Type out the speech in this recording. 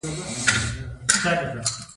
غره خیژي پښې قوي کوي